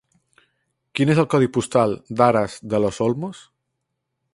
Quin és el codi postal d'Aras de los Olmos?